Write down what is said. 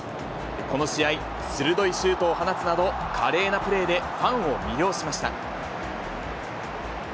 この試合、鋭いシュートを放つなど、華麗なプレーでファンを魅了しました。